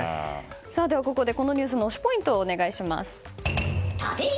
ここでこのニュースの推しポイントをお願いします。